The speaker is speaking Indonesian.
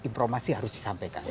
informasi harus disampaikan